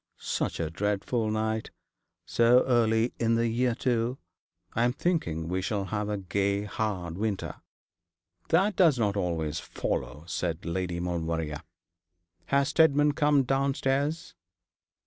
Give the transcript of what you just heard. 'Such a dreadful night. So early in the year, too. I'm thinking we shall have a gay hard winter.' 'That does not always follow,' said Lady Maulevrier. 'Has Steadman come downstairs?'